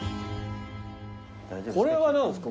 これは何ですか？